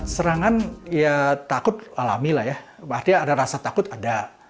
serangan ya takut alami lah ya artinya ada rasa takut ada